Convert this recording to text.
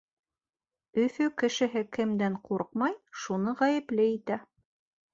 Өфө кешеһе кемдән ҡурҡмай, шуны ғәйепле итә.